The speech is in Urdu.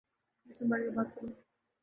منہ سنمبھال کر بات کرو۔